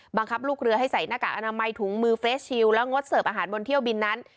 บังคับลูกเรือให้ใส่หน้ากากอนามัยถุงมือเฟสชิลและงดเสิร์ฟอาหารบนเที่ยวบินนั้น